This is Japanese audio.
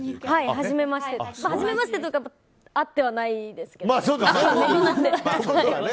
はじめましてというか会ってはいないですけど。